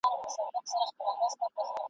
قافلې سمي ته سیخ کړي را پیدا کاروان سالار کې !.